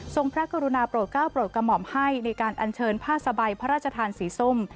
พระกรุณาโปรดก้าวโปรดกระหม่อมให้ในการอัญเชิญผ้าสบายพระราชทานสีส้ม